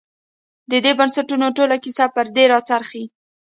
د دې بنسټونو ټوله کیسه پر دې راڅرخي.